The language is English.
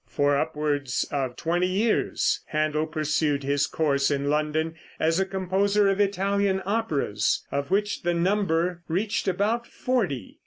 For upwards of twenty years, Händel pursued his course in London as a composer of Italian operas, of which the number reached about forty.